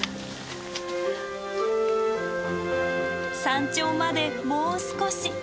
山頂までもう少し。